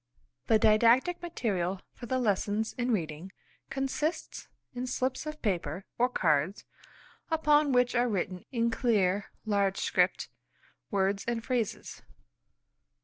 The Didactic Material for the lessons in reading consists in slips of paper or cards upon which are written in clear, large script, words and phrases.